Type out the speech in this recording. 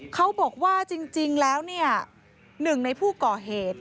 เขาบอกว่าจริงแล้วเนี่ยหนึ่งในผู้ก่อเหตุ